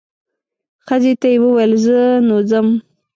ښځې ته یې وویل زه نو ځم.